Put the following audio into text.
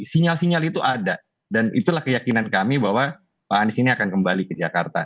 sinyal sinyal itu ada dan itulah keyakinan kami bahwa pak anies ini akan kembali ke jakarta